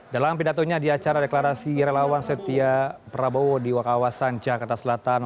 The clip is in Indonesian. dalam pidatonya di acara deklarasi relawan setia prabowo di wakawasan jakarta selatan